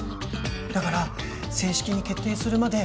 「だから正式に決定するまで」